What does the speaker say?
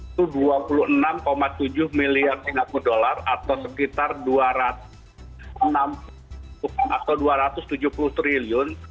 itu dua puluh enam tujuh miliar singapura dollar atau sekitar dua ratus tujuh puluh triliun